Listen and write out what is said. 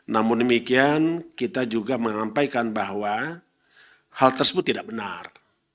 namun demikian kita juga menyampaikan bahwa hal tersebut tidak benar